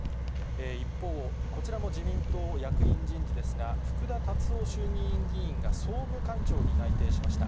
一方、こちらも自民党役員人事ですが、福田達夫衆議院議員が総務会長に内定しました。